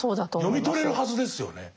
読み取れるはずですよね。